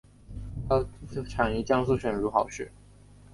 它产于江苏省如皋市。